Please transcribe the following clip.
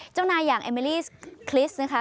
เจ้านายอย่างเอเมลี่คริสนะคะ